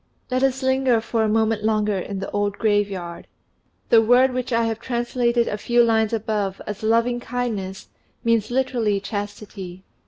Let us linger for a moment longer in the old graveyard. The word which I have translated a few lines above as "loving faithfulness" means literally "chastity."